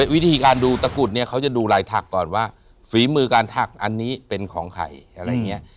วิธีการดูตะกรุดเนี่ยเขาจะดูลายถักก่อนว่าฝีมือการถักอันนี้เป็นของใครอะไรอย่างนี้